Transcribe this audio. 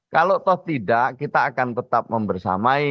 kalau toh tidak kita akan tetap membersamai